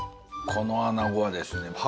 この穴子はですね